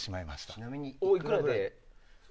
ちなみにおいくらぐらいで？